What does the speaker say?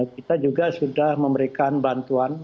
kita juga sudah memberikan bantuan